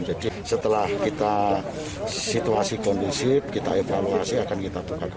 jadi setelah kita situasi kondusif kita evaluasi akan kita buka lagi